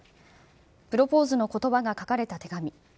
プロポーズのことばが書かれた手紙。